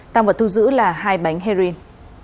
tang vào thu giữ là hai bánh heroin